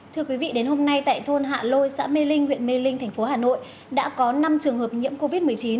thưa quý vị đến hôm nay tại thôn hạ lôi xã mê linh huyện mê linh thành phố hà nội đã có năm trường hợp nhiễm covid một mươi chín